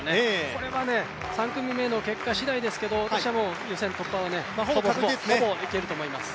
これは３組目の結果しだいですけど私はもう、予選突破はほぼいけると思います。